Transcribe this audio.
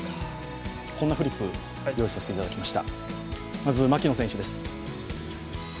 こんなフリップ用意させていただきました。